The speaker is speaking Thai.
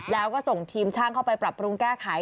แล้วก็ส่งทีมช่างเข้าไปปรับปรุงแก้ไข